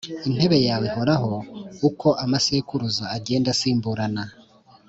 intebe yawe ihoraho, uko amasekuruza agenda asimburana.